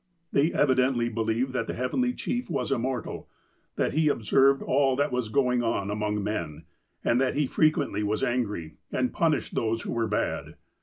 They evidently believed that the Heavenly Chief was immortal, that he observed all that was going on among men, and that he frequently was angry, and punished those who were bad.